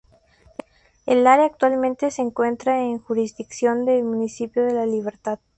El área actualmente se encuentra en jurisdicción del municipio de La Libertad.